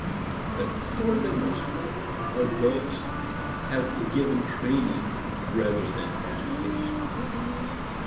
But for the most part, adults have given training rather than education.